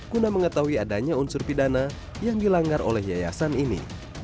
guna mengetahui adanya unsur pidana yang dilanggar oleh yayasan ini